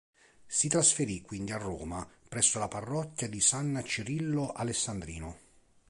Si trasferì quindi a Roma, presso la parrocchia di San Cirillo Alessandrino.